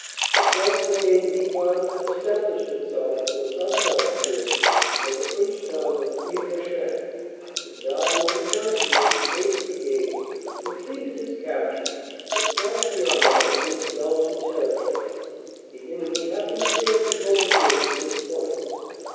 The 12th. Brigade meanwhile had estab lished itself in the southern outskirts of the French town of Quievrechain, and now in conjunction with the 8th. Brigade, completed its capture and crossed the Honelle into Belgian territory, the enemy having failed to blow the bridge at this point.